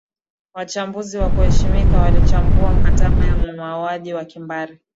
wachambuzi wa kuheshimika walichambua mkataba wa mauaji ya kimbari